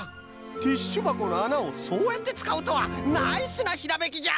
ティッシュばこのあなをそうやってつかうとはナイスなひらめきじゃ！